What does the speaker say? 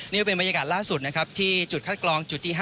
นี่ก็เป็นบรรยากาศล่าสุดนะครับที่จุดคัดกรองจุดที่๕